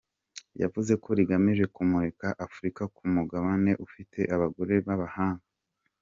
Yavuze ko rigamije kumurika Afurika nk’Umugabane ufite abagore b’abahanga.